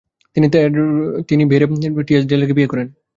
তিনি ভেরে টিয়াসডেলকে বিয়ে করেন।